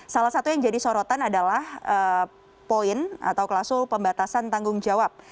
salah satu yang jadi sorotan adalah poin atau klasul pembatasan tanggung jawab